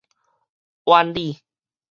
苑裡